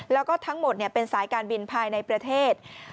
แล้วก็ทั้งหมดเป็นสายการบินภายในประเทศ